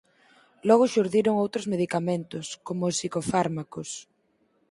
Logo xurdiron outros medicamentos, coma os psicofármacos...